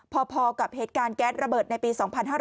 พอกับเหตุการณ์แก๊สระเบิดในปี๒๕๕๙